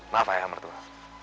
maaf ayah mertua